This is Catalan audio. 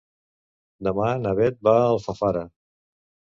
Demà na Beth va a Alfafara.